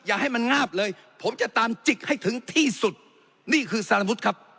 อย่าให้มันงาบเลยผมจะตามจิกให้ถึงที่สุดนี่คือสารวุฒิครับ